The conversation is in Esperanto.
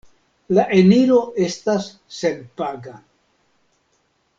La eniro estas senpaga.